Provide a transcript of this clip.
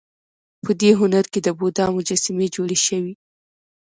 په دې هنر کې د بودا مجسمې جوړې شوې